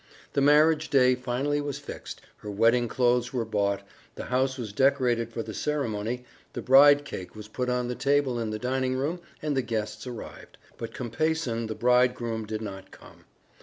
The marriage day finally was fixed, her wedding clothes were bought, the house was decorated for the ceremony, the bride cake was put on the table in the dining room and the guests arrived. But Compeyson, the bridegroom, did not come.